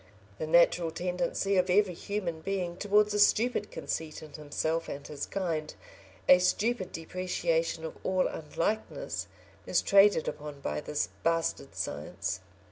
The natural tendency of every human being towards a stupid conceit in himself and his kind, a stupid depreciation of all unlikeness, is traded upon by this bastard science.